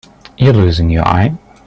You're losing your eye.